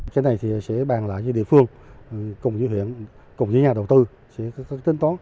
cái này thì sẽ bàn lại với địa phương cùng với huyện cùng với nhà đầu tư sẽ có tin tố